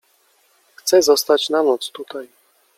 Chce zostać na noc tutaj.